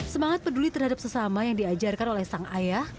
semangat peduli terhadap sesama yang diajarkan oleh sang ayah